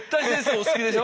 お好きでしょ